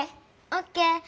オッケー。